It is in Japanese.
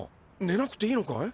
ねなくていいのかい？